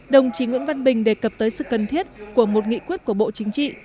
đồng chí nguyễn văn bình đề cập tới sự cần thiết của một nghị quyết của bộ chính trị